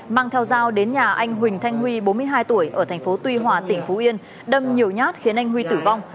mang theo dao đến nhà anh huỳnh thanh huy bốn mươi hai tuổi ở thành phố tuy hòa tỉnh phú yên đâm nhiều nhát khiến anh huy tử vong